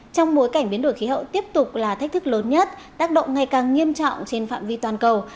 trong bối cảnh biến đổi khí hậu tiếp tục là thách thức lớn nhất tác động ngày càng nghiêm trọng trên phạm vi toàn cầu